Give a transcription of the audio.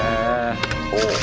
ほう。